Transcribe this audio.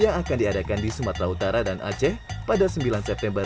yang akan diadakan di sumatera utara dan aceh pada sembilan september dua ribu dua puluh